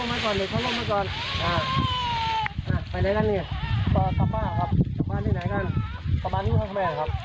มาจากตลาดลงเกลือครับ